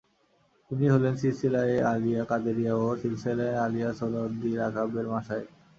তিনি হলেন সিলসিলায়ে আলিয়া কাদেরিয়া ও সিলসিলায়ে আলিয়া সোহরাওয়ার্দীর আকাবের মাশায়েখ।